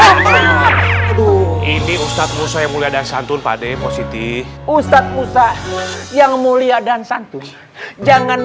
aduh ini ustadz musa yang mulia dan santun pade positif ustadz musa yang mulia dan santun jangan